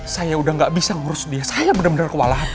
saya udah gak bisa ngurus dia saya benar benar kewalahan